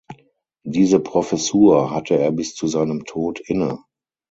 Diese Professur hatte er bis zu seinem Tod inne.